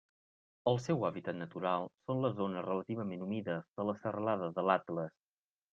El seu hàbitat natural són les zones relativament humides de la serralada de l'Atles.